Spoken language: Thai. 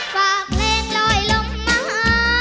ฝากเล่นลอยลงมา